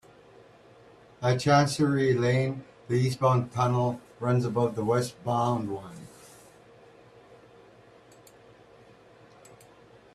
At Chancery Lane, the eastbound tunnel runs above the westbound one.